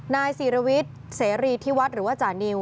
นายสีระวิทเซรีทีวัฒน์หรือว่าจานิว